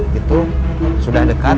gitu sudah dekat